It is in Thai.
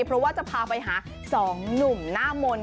เพราะว่าจะพาไปหา๒หนุ่มหน้ามนต์